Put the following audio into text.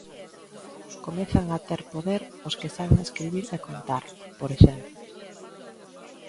Comezan a ter poder os que saben escribir e contar, por exemplo.